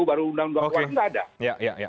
baru undang undang dua puluh enam itu tidak ada